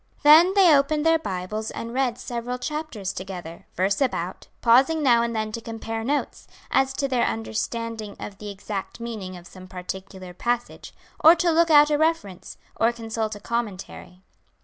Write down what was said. Then they opened their Bibles and read several chapters together, verse about, pausing now and then to compare notes, as to their understanding of the exact meaning of some particular passage, or to look out a reference, or consult a commentary.